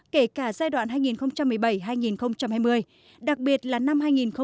kể cả giai đoạn hai nghìn một mươi bảy hai nghìn hai mươi đặc biệt là năm hai nghìn một mươi tám